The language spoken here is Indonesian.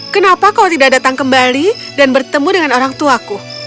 kenapa kau tidak datang kembali dan bertemu dengan orangtuaku